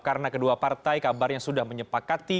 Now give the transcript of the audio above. karena kedua partai kabarnya sudah menyepakati